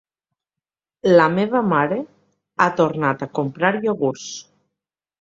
La meva mare ha tornat a comprar iogurts.